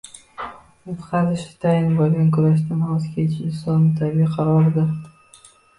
Yutqazishi tayin bo‘lgan kurashdan voz kechish – insonning tabiiy qaroridir.